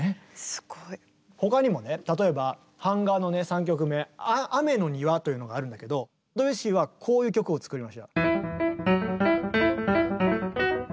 すごい。他にもね例えば「版画」の３曲目「雨の庭」というのがあるんだけどドビュッシーはこういう曲を作りました。